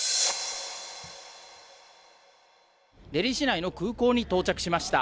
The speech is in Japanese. デリー市内の空港に到着しました。